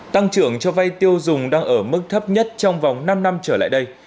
tăng trưởng cho vay tiêu dùng đang ở mức thấp nhất trong vòng năm năm trở lại đây